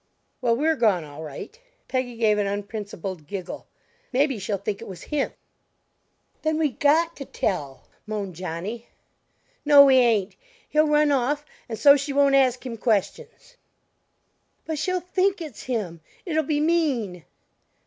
"Well, we're gone, all right." Peggy gave an unprincipled giggle; "Maybe she'll think it was him." "Then we got to tell," moaned Johnny. "No, we ain't. He'll run off and so she won't ask him questions." "But she'll think it's him. It'll be mean."